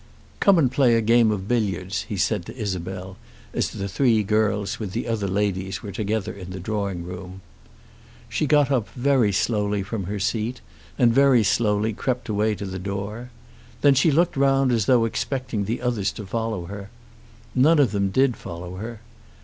"Come and play a game of billiards," he said to Isabel, as the three girls with the other ladies were together in the drawing room. She got up very slowly from her seat, and very slowly crept away to the door. Then she looked round as though expecting the others to follow her. None of them did follow her.